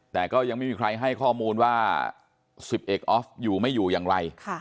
แต่ก็ยังไม่มีใครให้ข้อมูลว่า๑๑ออฟอยู่ไม่อยู่อย่างไร